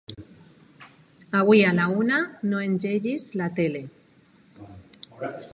Avui a la una no engeguis la tele.